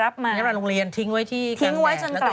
ทิ้งไว้ที่กลางแดก